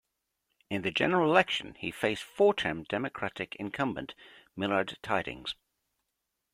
In the general election, he faced four-term Democratic incumbent Millard Tydings.